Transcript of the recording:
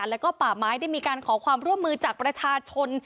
แล้วก็ป่าไม้ได้มีการขอความร่วมมือจากประชาชน